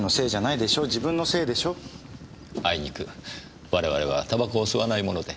あいにく我々はタバコを吸わないもので。